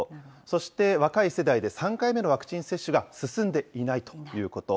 そして若い世代で３回目のワクチン接種が進んでいないということ。